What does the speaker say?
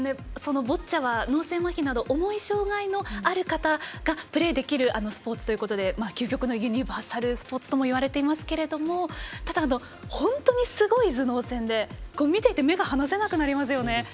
ボッチャは脳性まひなど重い障がいのある方がプレーできるスポーツということで究極のユニバーサルスポーツともいわれていますけれどもただ、本当にすごい頭脳戦で見ていて目が離せなくなります。